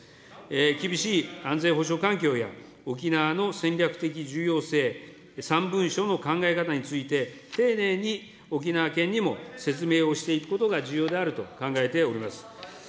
厳しい安全保障環境や、沖縄の戦略的重要性、３文書の考え方について、丁寧に沖縄県にも説明をしていくことが重要であると考えております。